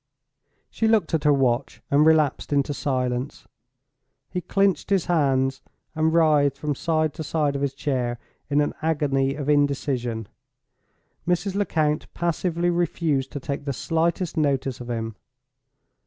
She looked at her watch, and relapsed into silence. He clinched his hands, and writhed from side to side of his chair in an agony of indecision. Mrs. Lecount passively refused to take the slightest notice of him.